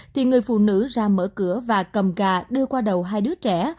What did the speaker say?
thì người phụ nữ ra mở cửa và cầm cà đưa qua đầu hai đứa trẻ